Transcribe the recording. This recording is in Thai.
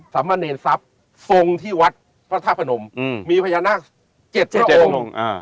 สำหรับเนรชัพท์ทรงที่วัดพระธาปนมอืมมีพญานาคต์เจ็ดเจ็ดองค์อ่า